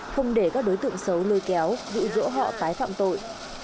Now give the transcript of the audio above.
không để các đối tượng xấu lôi kéo dụ dỗ họ tái phạm tội